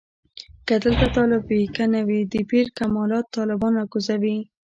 که دلته طالب وي که نه وي د پیر کمالات طالبان راکوزوي.